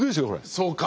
そうか！